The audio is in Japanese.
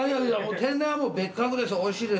天然は別格です。